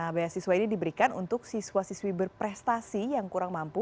beasiswa ini diberikan untuk siswa siswi berprestasi yang kurang mampu